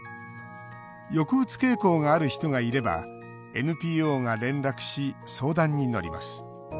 抑うつ傾向がある人がいればＮＰＯが連絡し、相談に乗ります。